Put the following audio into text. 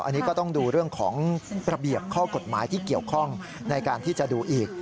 อันนี้ก็ต้องดูเรื่องของระเบียบข้อกฎหมายที่เกี่ยวข้องในการที่จะดูอีก